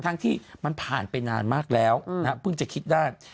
ทั้งที่มันผ่านไปนานมากแล้วเพิ่งจะคิดได้